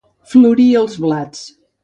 Florir els blats.